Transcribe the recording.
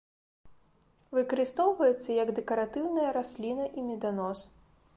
Выкарыстоўваецца як дэкаратыўная расліна і меданос.